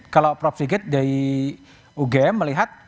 kalau prof sigit dari ugm melihat